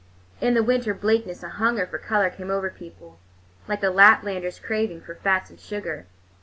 In the winter bleakness a hunger for color came over people, like the Laplander's craving for fats and sugar.